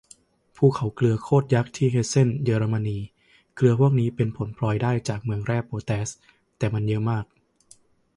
ภูเขาเกลือโคตรยักษ์ที่เฮสเซน เยอรมนี เกลือพวกนี้เป็นผลพลอยได้จากเหมืองแร่โปแตส แต่มันเยอะมาก